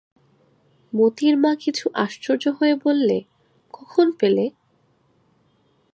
মোতির মা কিছু আশ্চর্য হয়ে বললে, কখন পেলে?